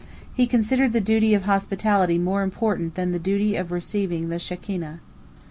He considered the duty of hospitality more important than the duty of receiving the Shekinah.